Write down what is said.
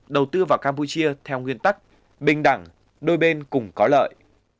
đầu tư vào campuchia theo nguyên tắc bình đẳng đôi bên cũng có lợi